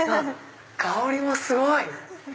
香りもすごい！